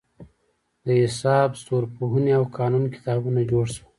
د حساب، ستورپوهنې او قانون کتابونه جوړ شول.